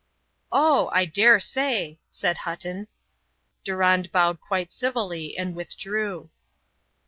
"Oh! I dare say," said Hutton. Durand bowed quite civilly and withdrew.